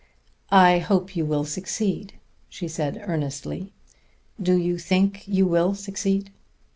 "I hope you will succeed," she said earnestly. "Do you think you will succeed?"